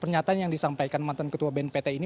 pernyataan yang disampaikan mantan ketua bnpt ini